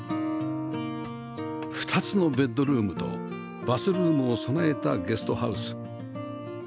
２つのベッドルームとバスルームを備えたゲストハウス